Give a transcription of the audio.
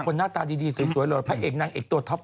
มีแต่คนหน้าตาดีสวยแล้วพระเอกนางเอกตัวท็อป